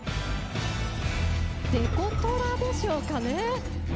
デコトラでしょうかね。